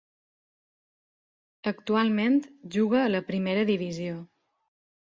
Actualment juga a la Primera Divisió.